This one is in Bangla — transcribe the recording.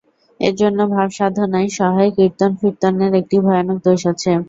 এজন্য ভাবসাধনার সহায় কীর্তন-ফীর্তনের একটা ভয়ানক দোষ আছে।